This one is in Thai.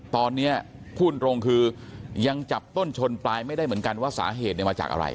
ตอนนี้พูดตรงคือยังจับต้นชนปลายไม่ได้เหมือนกันว่าสาเหตุมาจากอะไร